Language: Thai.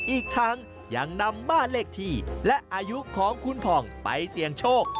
อีกทั้งยังนำบ้านเลขที่และอายุของคุณผ่องไปเสี่ยงโชค